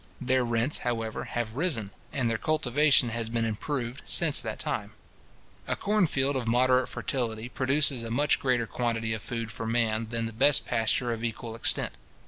Their rents, however, have risen, and their cultivation has been improved since that time. A corn field of moderate fertility produces a much greater quantity of food for man, than the best pasture of equal extent.